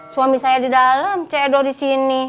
suami saya di dalam cedo di sini